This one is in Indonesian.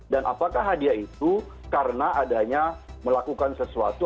dan apakah hadiah itu karena adanya melakukan sesuatu